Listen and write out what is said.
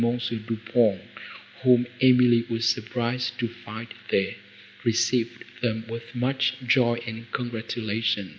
Du Pont, whom Emily was surprised to find there, received them with much joy and congratulation.